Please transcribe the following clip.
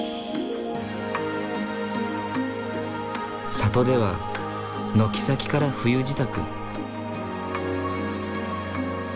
里では軒先から冬支度。